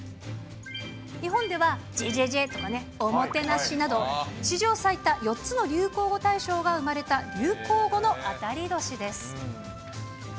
日本ではじぇじぇじぇとかね、お・も・て・な・しなど史上最多４つの流行語大賞が生まれた流行語の当たり年です。